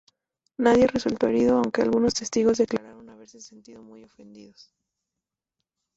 Nadie resultó herido, aunque algunos testigos declararon haberse sentido muy ofendidos.